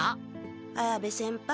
綾部先輩